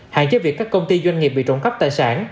hạn chế việc các công ty doanh nghiệp bị trộm cắp tài sản